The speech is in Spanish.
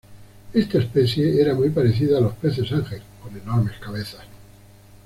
Esta especie era muy parecida a los peces ángel con enormes cabezas.